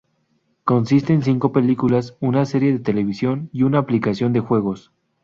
Consiste en cinco películas, una serie de televisión y una aplicación de juegos.